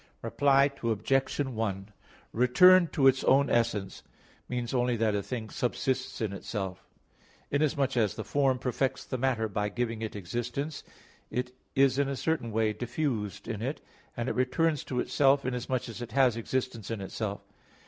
Reply Obj. 1: Return to its own essence means only that a thing subsists in itself. Inasmuch as the form perfects the matter by giving it existence, it is in a certain way diffused in it; and it returns to itself inasmuch as it has existence in itself.